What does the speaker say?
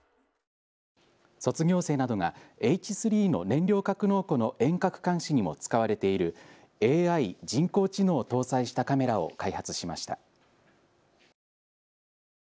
卒業生などがＨ３の燃料格納庫の遠隔監視にも使われているＡＩ・人工知能を搭載したカメラを開発しました。